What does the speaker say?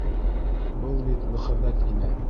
Был бит мөхәббәт... ине.